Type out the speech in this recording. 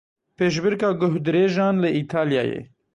Pêşbirka guhdirêjan li Îtalyayê.